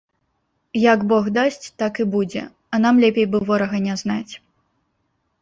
Як бог дасць, так і будзе, а нам лепей бы ворага не знаць.